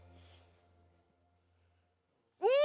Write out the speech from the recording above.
うん！